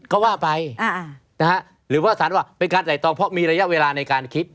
ก็ว่าไปหรือว่าสารว่าเป็นการไต่ตองเพราะมีระยะเวลาในการคิด